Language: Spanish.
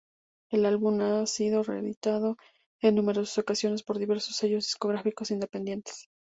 El álbum ha sido reeditado en numerosas ocasiones por diversos sellos discográficos independientes.